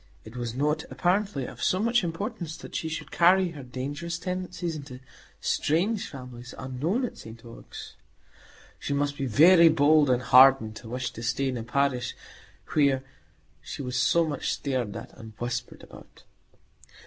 (It was not, apparently, of so much importance that she should carry her dangerous tendencies into strange families unknown at St Ogg's.) She must be very bold and hardened to wish to stay in a parish where she was so much stared at and whispered about.